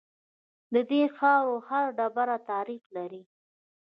د دې خاورې هر ډبره تاریخ لري